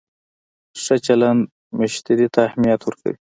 ښه چلند مشتری ته اهمیت ورکوي.